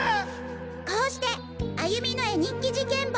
「こうして歩美の絵日記事件簿